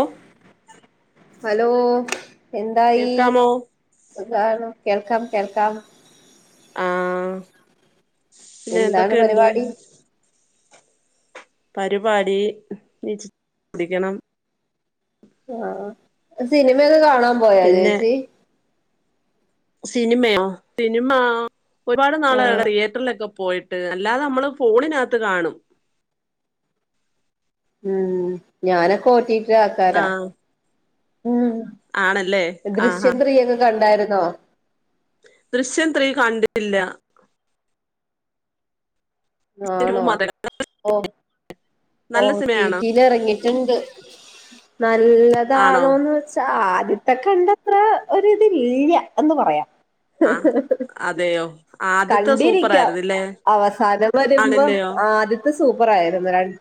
O hello എന്തായി കേൾക്കാമോ കേൾക്കാം കേൾക്കാം ആ പിന്നെ എന്താണ് എന്തൊക്കെണ്ട് പരിപാടി പരിപാടി [inaudible] പിടിക്കണം ആ സിനിമയൊക്കെ കാണാൻ പോയാ പിന്നെ ചേച്ചി സിനിമയോ സിനിമ ഒരുപാട് നാളായി ആഹ് തിയേറ്ററിലൊക്കെ പോയിട്ട് അല്ലാതെ നമ്മള് ഫോണിനകത്ത് കാണും ഉം ഞാനക്കെ ഓട്ടിട്ടി ആക്കാരാ ആഹ് ഉം ആണല്ലേ ആഹാ ദൃശ്യത്രീ ഒക്കെ കണ്ടായിരുന്നോ ദൃശ്യം ത്രീ കണ്ടില്ല ദൃശ്യം ടു ആണോ മാത്രം ഓ നല്ല സിനിമയാണോ ടിടില് ഇറങ്ങിട്ടിണ്ട് ആണോ നല്ലതാണോന്ന് വെച്ചാൽ ആദ്യത്തെ കണ്ടത്ര ഒരിതില്യ എന്ന് പറയാ ആഹ് അതെയോ ആദ്യത്തെ കണ്ടിരിക്കാം സൂപ്പറായിരുന്നില്ലേ അവസാനം വരുമ്പോ ആണല്ലയോ ആ ആദ്യത്തെ സൂപ്പർ ആയിരിന്നു രണ്ട്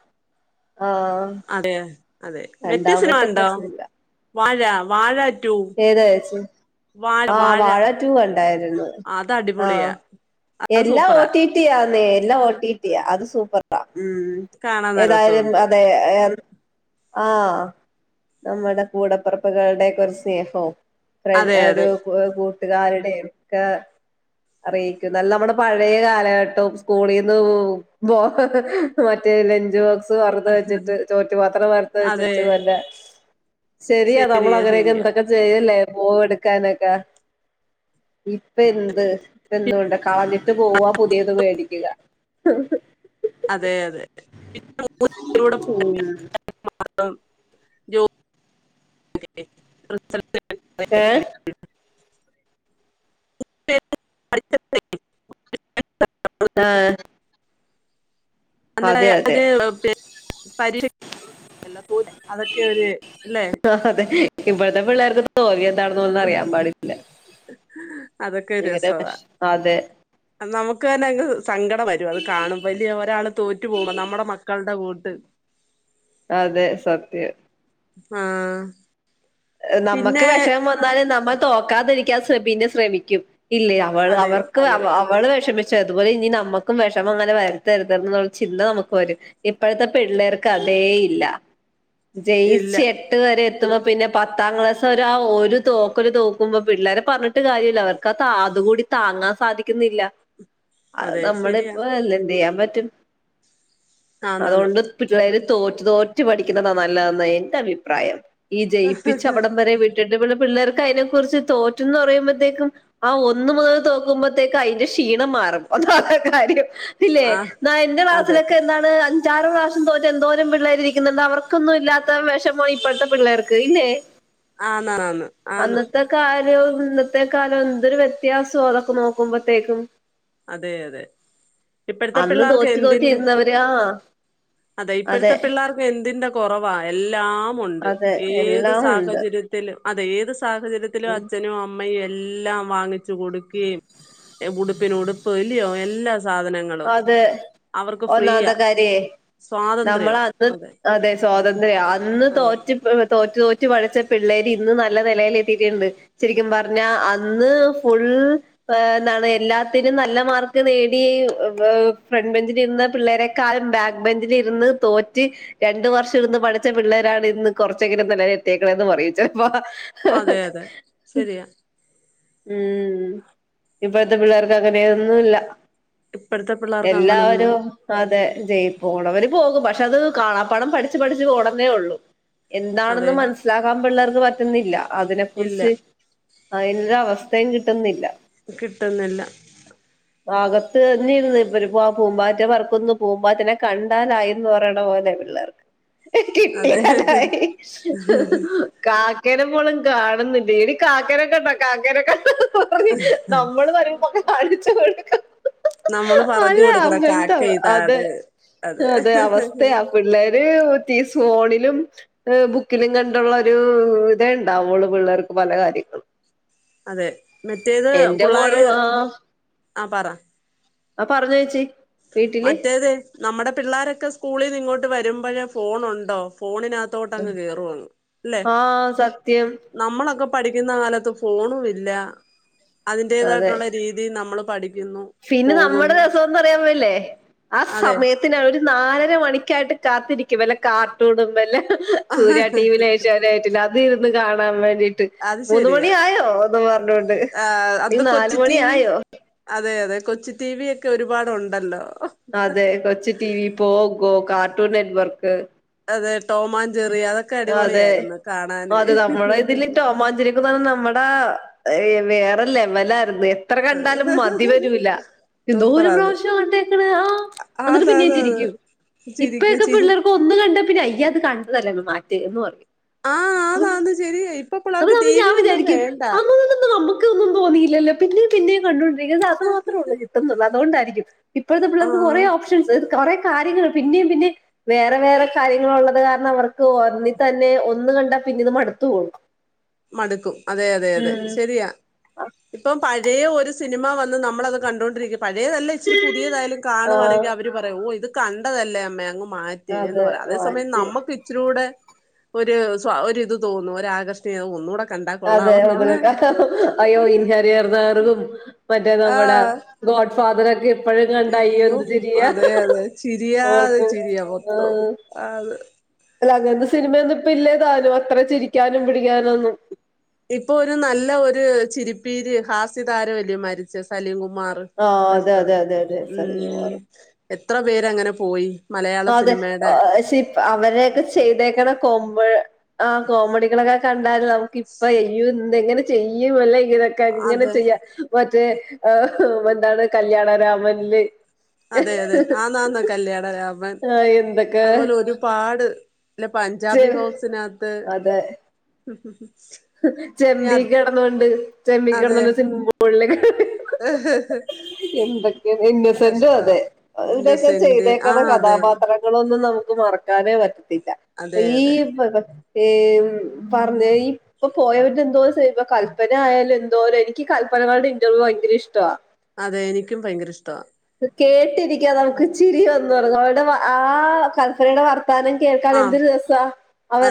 അതെ അതെ മെറ്റസിനിമ രണ്ടാമത്തെ വണ്ടോ പ്രശ്നല്ല വാഴ വാഴ റ്റു ഏതാ ചേച്ചി വാഴ ആഹ് വാഴ ടു കണ്ടായിരുന്നു അത് അടിപൊളിയാ ആഹ് അത് എല്ലാം സൂപ്പറാ ഓട്ടിട്ടിയാന്നേ ഇല്ല ഓട്ടിട്ടിയ അത് സൂപ്പറ ഉ കാണാൻ നല്ല ഏതായാലും രസമുണ്ട് അതെ ആ നമ്മിടെ കൂടപ്പിറപ്പ്കള്ടെക്കെ ഓര് സ്നേഹോ അതെ ഒരു അതെ കൂട്ട്കാര്ടേം ഒക്ക അറിയിക്ക്ന്നാ നമ്മുടെ പഴയ കാലഘട്ടവും സ്കൂളിന്ന്--ഭോ [inaudible] ലഞ്ച് ബോക്സ് മറന്ന് വെച്ചിട്ട് ചോറ്റ്പാത്രം മ റന്ന് അതെ വെച്ച് ശരിയാ നമ്മൾങ്ങനെ എന്തൊക്കെ ചെയ് ല്ല പോവെടുക്കാനൊക്കെ ഇപ്പ എന്ത് ഇപ്പ എന്തോണ്ടകളനി ഇട്ട് പോവാ പുതിയത് വേടികുക അതെ അതെ ഏ പിന്നെ [unintelligible] [unintelligible] ആഹ് അതെ അതെ [unintelligible] എല്ലാ തോ അതൊക്കെ ഒര് ല്ലേ ഇപ്പഴത്തെ പിള്ളേര് അതൊക്കെ ഇങ്ങനെ ഒരുരസവാ അതെ നമുക്ക് തന്നെ അങ്ങ് സങ്കടം വരും അത് കാണുമ്പൊ ല്യെ ഒരാള് തോറ്റു പോക്മ്പോ നമ്മുടെ മക്കൾടെ കൂട്ട് അതെ സത്യം ആഹ് നമ്മക്ക് പിന്നെ വെഷമം വന്നാല് നമ്മള് തോക്കാതിരിക്കാ പിന്നെ ശ്രമിക്കും ഇല്ലേ അവള് അതെ അവർക്ക് അതെ അവ അവള് വെഷമിച്ച അതുപോലെ ഇനി നമ്മക്കും വെഷമങ്ങനെ വരുത്തര്തെ എന്നുള്ള ചിന്ത നമുക്ക് വരും ഇപ്പോഴത്തെ പിള്ളേർക്ക് അ തേ ഇല്ല ഇല്ല ജയിച്ച് എട്ട് വരെ എത്തുമ്പോ പിന്നെ പത്താം ക്ലാസ് അവര് ആ ഒരു തോക്കല് തോക്കുമ്പോ പിള്ളേരെ പർഞ്ഞിട്ട് കാര്യല്യ അവർക്ക് അതുകൂടി താ ങ്ങാ സാധിക്കുന്നില്ല അത് അതെ ശരിയാ നമ്മളിപ്പൊ എ എന്തെയ്യാ പറ്റും ആന്നാന്ന് അതോണ്ട് പിള്ളേര് തോറ്റ് തോറ്റ് പഠിക്കുന്നതാ നല്ലതെന്നാ എന്റെ അഭിപ്രായം ഈ ജയിപ്പിച്ച അവിടം വരെ വി ട്ടിട്ട് പിള്ളേർക്ക് ഐനെ കുർച്ച് തോറ്റന്ന് പറയുമ്പോത്തേക്കും ആ ഒന്ന് മുതൽ തോക്കുമ്പോത്തേക്കും ഐന്റെ ക്ഷീണം മാറും അതാണ് കാര്യം ഇല്ലേ ആഹ് ന്നാ എന്റെ അതെ ക്ലാസിലൊക്കെ എന്താണ് ആറ് പ്രാവശ്യം തോറ്റ എന്തോരം പിള്ളേര് ഇരിക്കുന്നുണ്ട് അവർക്കൊന്നും ഇല്ലാത്ത വെഷമാ ഇപ്പഴത്തെ പിള്ളേർക്ക് ഇല്ലേ ആന്നാന്നാന്ന് ആന്ന് അന്നത്തെ ഇന്നത്തെ കാലം എന്തൊരു വ്യത്യാസോ അതൊക്കെ നോക്കുമ്പോഴത്തേക്കും അതെ അതെ ഇപ്പഴത്തെ അന്ന് പിള്ളേർക്ക് തോറ്റ് എന്തിന്റെ തോറ്റിയിരുന്നവരാ ആ അതെ ഇപ്പഴത്തെ പിള്ളാർക്ക് എന്തിന്റെ കൊറവാ എല്ലാമുണ്ട് അതെ ഏത് ത് എല്ലാം ഉണ്ട് സാഹചര്യത്തിലു അതെ ഏത് സാഹചര്യത്തിലും അച്ഛനും അമ്മയും എല്ലാം വാങ്ങിച്ച് കൊടുക്കേം ഉടുപ്പിന് ഉടുപ്പ് ഇല്ലയോ എല്ലാ സാധനങ്ങളും അതെ അവർക്ക് ഒന്നാമത്ത ഫ്രീയാ കാര്യേ നമ്മളത് അതെ സ്വാതന്ത്ര്യാ അന്ന് അതെ തോറ്റ് ഇപ്പോ തോറ്റ് തോറ്റ് പഠിച്ച പിള്ളേര് ഇന്ന് നല്ല നിലേല് എത്തീട്ട്ണ്ട് ശെരിക്കും പർഞ്ഞാ അന്ന് ഫുൾ ൾ എന്താണ് എല്ലാത്തിനും നല്ല മാർക്ക് നേടി ഫ്രണ്ട് ബെഞ്ചിലിര്ന്ന പിള്ളേരെക്കാളും ബാക്ക് ബെഞ്ചില് ഇരുന്ന് തോറ്റ് രണ്ട് വർഷം ഇരുന്ന് പ ഠിച്ച പിള്ളേരാണ് ഇന്ന് കൊർച്ചെങ്കിലും നെലേല് എത്തിയേക്കണെന്ന് പറിയും ചെലപ്പൊ ഹ്... അതെ അതെ ഹ് ശരിയാ ഉം ഇപ്പഴത്തെ പിള്ളേർക്ക് അങ്ങനെയൊന്നുംല്ല ഇപ്പഴത്തെ പിള്ളേർക്ക് അങ്ങനൊന്നും എല്ലാവരും അതെ ജയ് പോണവര് പോകും പക്ഷെ അത് കാണാപ്പാടം പഠിച്ച് പഠിച്ച് പോണെന്നേ ഒള്ളൂ അതെ എന്താണെന്ന് മനസ്സിലാകാൻ പിള്ളേർക്ക് പറ്റുന്നില്ല അതിനെ ഇല്ല കുർച്ച് ഐനൊരു അവസ്ഥേം കിട്ടുന്നില്ല കിട്ടുന്നില്ല അകത്ത് ന്നിന്ന് ഇപ്പൊരു ആ പൂമ്പാറ്റ പറക്കുന്നു പൂമ്പാറ്റനെ കണ്ടാലായിന്ന് പറയ്ണെ പോലെ പിള്ളേർക്ക് അതെ കിട്ടിയാലായി കാ കാക്കേനെ പോലും കാണുന്നില്ല ഇനി കാക്കേനൊക്കണ്ടോ കാക്കനൊക്കാ നമ്മള് വരുമ്പൊക്കെ കാണിച്ച് കൊട്ക്ക നമ്മള് പറഞ്ഞു കൊടുക്കണം കാക്ക അതെ ഇതാണ് അതെ അവസ്ഥയാ പിള്ളേര് ഈ ഫോണിലും ബുക്കിലും കണ്ടുള്ളൊരു ഇതേ ഇണ്ടാവൊള്ളൂ പിള്ളേർക്ക് പല കാര്യങ്ങളും അതെ മറ്റേത് എന്റെ പുള്ളാര് മോളും ആ ആ പറ ആ പറഞ്ഞോ ചേച്ചി വീട്ടില് ആ മറ്റേത് നമ്മുടെ പിള്ളോരൊക്കെ സ്കൂളിൽ നിന്ന് ഇങ്ങോട്ട് വരുമ്പ ഫോണുണ്ടോ ഫോണിനകത്തു തൊട്ട് അങ്ങ് കേറും അല്ലെ ആഹ് സത്യം നമ്മളൊക്കെ പഠിക്കുന്ന കാലത്ത് ഫോണും ഇല്ല അതെ അതിന്റേതായിട്ടുള്ള രീതി നമ്മൾ പഠി പിന്നെ നമ്മുടെ രസംന്ന് പറയുന്നത് ഇല്ലേ ആ അതെ സമയത്തിന് അവര് നാലര മണിക്കായിട്ട് കാത്തിരിക്കും വല്ല കാർട്ടൂണും വല്ലെ സൂര്യ ടി വി യിലും ഏഷ്യാനെറ്റ്‌ ലും അത് ഇരുന്ന് കാണാൻ വേണ്ടിട്ട് അത് മൂന്ന് ശരിയാ മണി ആയോ ഒന്ന് പറഞ്ഞോണ്ട് ആ അത് അല്ലെൽ നാല് കൊച്ചി മണി ടി വി ആയോ അതെ അതെ കൊച്ച് ടി വി ഒക്കെ ഒരുപാടുണ്ടല്ലോ അതെ Kochu T V Pogo cartoon net work അതെ ടോമാൻ ജെറി അതൊക്കെ അതെ അടിപൊളിയായിരുന്നു കാണാന് അതെ നമ്മുടെ ഇതില് ടോമാജെറി ക്കെ പറഞ്ഞ നമ്മടെ ഏ വേറെ ലെവലായിരുന്നു എത്ര കണ്ടാലും മതി വരൂല എന്തോ ഒരു സൂപ്പറാ അത് പ്രാവശ്യം കണ്ടേക്കണ് ആ എന്നിട്ട് ആന്ന് പിന്നെയും ആന്ന് ആന്ന് ചിരിക്കും ചിരിക്ക് ഇപ്പൊക്കെ ചിരി പിള്ളേർക്ക് ഒന്ന് കണ്ട പിന്നെ അയ്യാ അത് കണ്ടതല്ലെ മാറ്റ് എന്ന് പറയും ആഹ് ആന്ന് ആന്ന് ശരിയാ ഇപ്പൊ പിള്ളേർക്ക് അപ്പൊ ടി വി ഞാൻ ഒന്നും വിചാരിക്കും വേണ്ട അങ്ങനൊന്നും നമ്മ ഒന്നും തോന്നിയിലല്ലോ പിന്നെയും പിന്നെയും കണ്ടോണ്ടി അത് മാത്രള്ളൂ കിട്ടന്നള്ളൂ അതുകൊണ്ടായിരിക്കും ഇപ്പോഴത്തെ പിള്ളേക്ക് ആഹ് കുറേ ഓപ്ഷൻസ് കുറ കാര്യങ്ങൾ പിന്നയും പിന്നെയും വേറെ വേറെ കാര്യങ്ങൾ ഉള്ളത് കാരണം അവർക്ക് ഒന്നി തന്നെ ഒന്ന് കണ്ടാ പിന്നെ ഇത് മടുത്ത് പോകും മടുക്കും അതെ അതെ അതെ ഉം ശരിയാ ഇപ്പൊ പയെ ഒരേ ഒരു സിനിമ വന്ന് നമ്മളത് കണ്ടുകൊണ്ടിരിക്ക പഴയതല്ലേ ഇച്ചിരി പുതിയതായാലും ആഹ് കാണുവാണെങ്കിൽ അവര് പറയാം ഓ ഇത് കണ്ടതല്ലേ അമ്മേ അ മാറ്റ് എന്ന് അതെ പറയും അതേ സമയം വാച്ച് നമുക്ക് ഇച്ചിരിയൂടെ ഒരു ഒരിത് തോന്നു ഒരാകർഷണം [unintelligible] ഒന്നൂടെ അതെ അത അയ്യോ ഇൻ ഹരിഹർ നഗറും മറ്റേ നമ്മുടെ ആഹ് ഗോഡ് ഫാദറ് ഒക്കെ എപ്പഴും കണ്ട അയ്യോ എന്ത് ചിരിയാ അതെ അതെ ചിരിയാതെ ഓർത്ത് ചിരിയാ ആ മൊത്തം ആന്ന് അല്ല അങ്ങനത്തെ സിനിമയൊന്നും ഇപ്പ ഇല്ലേതാനും അത്ര ചിരിക്കാനും പിടിക്കാനോന്നും ഇപ്പൊ ഒരു നല്ല ഒരു ചിരിപ്പീര് ഹാസ്യ താരമല്ലിയോ മരിച്ച സലിംകുമാറ് മാറ് ആ അതെ കഷ്ടം അതെ അതെ അതെ മ് സലികുമാർ എത്ര പേര് അങ്ങനെ പോയി മലയാള അതെ സിനിമയുടെ ശരി അവരൊക്കെ ചെയ്തേക്കണ കോമ ആ കോമഡികളൊക്കെ കണ്ടാല് നമുക്ക് ഇപ്പ യ്യോ എങ്ങനെ ചെയ്യുംല്ലേ ഇപ്പൊ ഇതൊക്കെ ഇങ്ങനെ അതെ ചെയ്യ മറ്റേ എന്താണ് കല്യാണ രാമന്ല് അതെ അതെ ആന്ന് ആന്ന് കല്യാണ രാമൻ ആ, എന്തൊക്കെ അതുപോലെ ഒരുപാട് ഇല്ല പഞ്ചാബി ചെ- ഹൗസിനകത്ത് അതെ ഇനി ചെമ്പി അത് കിടന്നൊണ്ട് ചെമ്പി അതെ കിടന്നണ്ട് സിമിംഗ്‌ പൂളില കി [unintelligible] എന്തൊക്കെയ ഇന്നസെന്റും കഷ്ടം അതെ ഇവരൊക്കെ ഇന്നസെന്റ് ആ ചെയ്തേക്കണ അതെ കഥാപാത്രങ്ങളൊന്നും നമു മറക്കാനേ പറ്റത്തില്ല അതെ ഈ അതെ പറഞ്ഞ ഇപ്പൊ പോയവരി എന്തോപ്പ കല്പന ആയാലും എന്തോലും എനിക്ക് പ്പനയൂടെ ഇറ്റർവ്യൂ ഭയങ്കര ഇഷ്ടവാ അതെ എനിക്കും ഭയങ്കര ഇഷ്ടവാ കേട്ടിരിക്കാൻ നമുക്ക് ചിരിവന്ന് പറു അവടെ ആ കല്പ്പനയുടെ വർത്താനം കേൾക്കാൻ ആ എ രസാ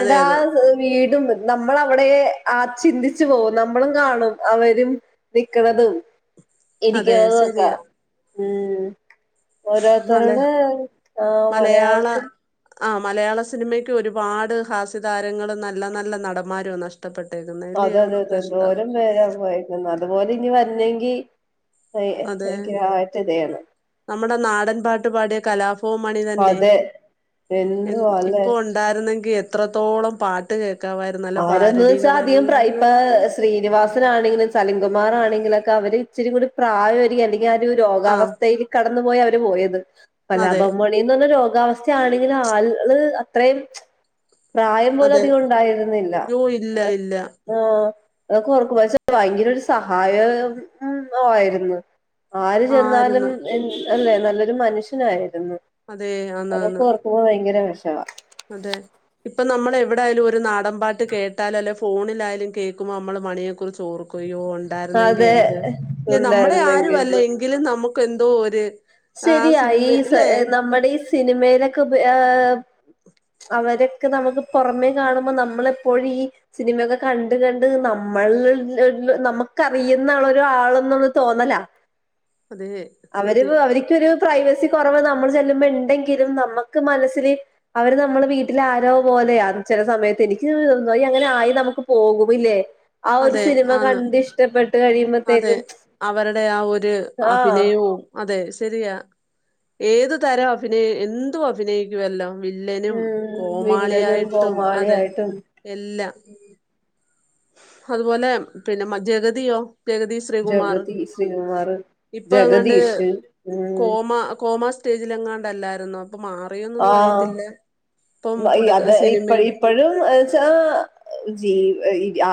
അതെ ആ അതെ വീട് നമ്മളവിടെ ആ ചിന്തിച്ചു പോകും നമ്മളും കാണും അവരും നിക്കണതും അതെ ഇരിക്കണതും ഒക്കെ ശരിയാ മ് മല ഓരോരുത്തരുടെ ആ മലയാള മലയാളത്തിൽ ആ മലയാള സിനിമയ്ക്ക് ഒരുപാട് ഹാസ്യ താരങ്ങൾ നല്ല നല്ല നടന്മാരോ നഷ്ടം അത അതെ അതെ എന്തോരം പേരാ പോയി അതുപോലെ ഇനി വരുന്നെങ്കി അതെ [unintelligible] ഇതയാണ് നമ്മുടെ നാടൻ പാട്ടു പാടിയ കലാ ഇപ്പോ മണി തന്നെ അതെ എന്തുവാ അല്ലെ ഇപ്പൊ ഉണ്ടായിരുന്നെങ്കിൽ എത്രത്തോളം പാട്ട് കേട്ട ആരന്നുവെച്ചാ അധികം പ്ര ഇപ്പ ശ്രീനിവാസ ണെങ്കിലും ചലിങ്കുമാർ ആണെങ്കിലുംക്കെ അവര് ഇച്ചരി കൂടി പ്രായ അല്ലെങ്കിൽ ആ ഒരു ആ രോഗാവസ്ഥയിൽ പോയി അവര് പോയത് അതെ കലാഭവൻ മണിന്ന് പറ വസ്ഥയാണെങ്കിൽ ആള് അത്രയും പ്രായം പോലെ അതെ അധികം ഉണ്ടായിരുന്നു യ്യോ ഇല്ല അതെ ഇല്ല ആ അതൊ ഓർക്കുമ്പോച്ച ഭയങ്കര ഒരു സഹായം മ് ആയിരുന്നു ആര് ചെന്നാലും ആയിരുന്നു അല്ലെ നല്ലൊരു മനുഷ്യനായി അതെ അതൊക്കെ ആന്നാന്ന് ഓർക്കുമ്പോ ഭയങ്കരവേഷ അതെ ഇപ്പൊ നമ്മൾ എവിടൊയാലും ഒരു നാടൻ പാട്ട് കേട്ടാലും അല്ലെ ഫോണിലായാലും കേൾക്കുമ്പോൾ നമ്മള് മണിയെ കുറിച്ച് ചോർക്കയോ ഉണ്ടായിരുന്നെങ്കിൽ അതെ എന്ത് അല്ല നമ്മുടെ ആരു അല്ല ഉണ്ടായിരുന്നെങ്കിൽന്ന് എങ്കിലും നമുക്ക് എന്തോ ഒരു ആ ശരിയാ ഈ സിനിമ അല്ലേ നമ്മുടെ ഈ സിനിമയിലൊക്കെ ഏ അവരൊക്കെ നമുക്ക് പുറമെ കാണുമ്പോ നമ്മളെപ്പോഴും ഈ സിനിമയൊക്കെ കണ്ട കണ്ട് നമ്മ നമ്മള നമുക്കറിയുന്ന ആ ഒരു ആളന്നൊന്ന തോന്നല അതെ അവര് സത്യം അവർക്കൊരു പ്രൈവസി കുറവ നമ്മൾ ചെല്ലുമ്പോ ഉണ്ടെങ്കിലും നമ്മുക്ക് മനസ്സിൽ അവര് നമ്മള് വീട്ടിൽ ആരോ പോലെയ ചില സമയത്ത് എനിക്ക് തന്ന അങ്ങനെ ആയി നമുക്ക് പോകൂലേ ആ ഒരു അതെ സിനിമ ആന്ന് കണ്ട് ഇഷ്ടപ്പെട്ട് അതെ കഴിയുമ്പോത്തേക്കും അവരുടെ ആ ഒരു ആ അഭിനയവും അതെ ശരിയാ ഏത് തരം അഭിനയി എന്തും അഭിനയിക്കുവുമല്ലോ വില്ലനും ഉം വില്ലനും കോമാളിയായിട്ടും അതെ കോമാളിയായിട്ടും എല്ലാം അതുപോലെ പിന്നെ ജഗതിയോ ജഗതി ശ്രീകുമാർ ജഗതി ശ്രീകുമാർ ഇപ്പൊ എങ്ങാണ്ട് ജഗദീഷ് ഉം കോമ കോമാ സ്റ്റേജില എങ്ങാണ്ടല്ലായിരുന്നോ അപ്പൊ മാറിയോന്നൊന്നും ആഹ് അറിയത്തില്ല ഇപ്പം പുള്ളിക്ക അത് ഇപ്പ സിനിമ ഇപ്പോഴുംച്ചാ ജീ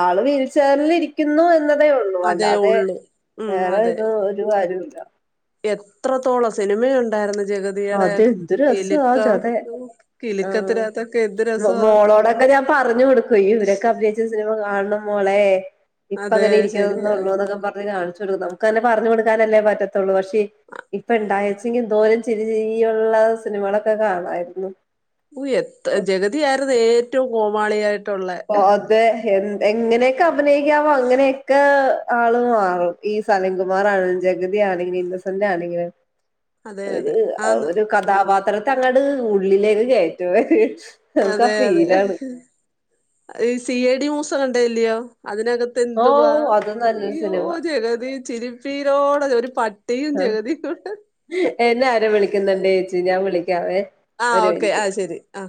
ആള് വീൽചേരൽരിക്കുന്നു എന്ന അ ഉള്ളൂ അതേ അല്ലാതെ ഉള്ളു ഉം വേറെ അതെ ഇത് ഒരു കാര്യമില്ല എത്രത്തോളം സിനിമയ ഉണ്ടായിരുന്ന്‌ ജഗതിട അതെ എന്ത് രസാ ആ കിലുക്കം ജത ആഹ് കിലുക്കത്തിനോക്കെ എന്ത് രസ മോളോടൊക്കെ ഞാൻ പറഞ്ഞു കൊടുക്കുവ ഇവരൊക്കെ അഭിനയിച്ച സിനിമ കാണണം മോളെ ഇപ്പ അതെ അങ്ങനെ ശരിയാ ഇരിക്കുന്നള്ളൂ എന്നൊക്കെ പറഞ്ഞ് കാണിച്ചു നമുക്ക്ന്നെ പറഞ്ഞു കൊടുക്കാനല്ലേ പറ്റത്തുള്ളൂ പക്ഷെ ഇപ്പ ഇണ്ടാച്ചെങ്കോ ചിരി ചിരിയുള്ള സിനിമകളൊക്കെ കാണായിരുന്നു ഓ എത്ര ഓ ജഗതിയായിരുന് ഏറ്റവും കോമാളിയായിട്ട് അ അതെ എ എങ്ങനെയൊക്കെ അഭിനയിക്കാവോ അങ്ങനെയൊക്കെ ആള് മാറും ഈ സലിംക കുമാർ ആണെങ്കിലും ജഗതി ആണെങ്കിലും ഇന്നസെന്റ് ആണെങ്കിലും അതെ ഒരു അതെ ആന്ന് ഒരു കഥാപാത്രത്തെ അങ്ങട് ഉള്ളിലേക്ക് കയറ്റു നമുക്ക് അതെ അതെ ഫീലാണ് ഈ സി എ ഡി മൂസൊക്ക കണ്ടില്ലയോ അതിനകത്ത് ഓ എന്തുവാ അത് നല്ലൊരു അയ്യോ സിനിമ ജഗതി ചിരുപ്പീരോടെ ഒരു പട്ടിയും ജഗതി എന്നെ ആര വിളിക്കുന്നണ്ടേ ചേച്ചി ഞാൻ വിളിക്ക ക്കവേ ആഹ് ഒരു ഓക്കെ മിനിറ്റ് ആഹ് ശരി ആഹ്